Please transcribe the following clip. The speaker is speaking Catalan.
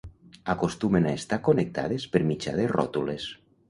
Acostumen a estar connectades per mitjà de ròtules.